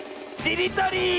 ちりとり！